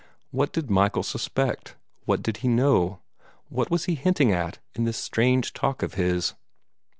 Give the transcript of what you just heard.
What did Michael suspect? What did he know? What was he hinting at, in this strange talk of his?